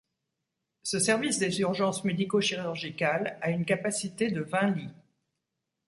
Ce service des urgences médico-chirurgicales a une capacité de xx lits.